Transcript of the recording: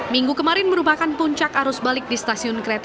minggu kemarin merupakan puncak arus balik di stasiun kereta